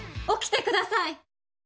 起きてください！